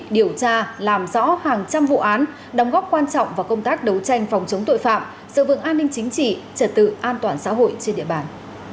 điều tra làm rõ hàng trăm vụ án đóng góp quan trọng vào công tác đấu tranh phòng chống tội phạm sự vững an ninh chính trị trật tự an toàn xã hội trên địa bàn